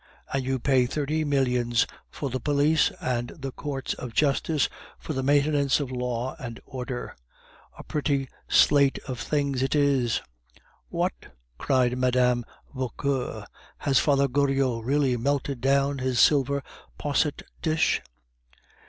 And you pay thirty millions for the police and the courts of justice, for the maintenance of law and order! A pretty slate of things it is!" "What," cried Mme. Vauquer, "has Father Goriot really melted down his silver posset dish?"